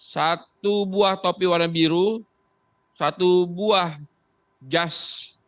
satu buah topi warna biru satu buah jas